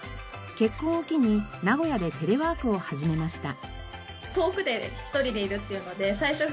結婚を機に名古屋でテレワークを始めました。